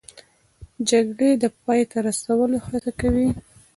د جګړې د پای ته رسولو هڅه کوي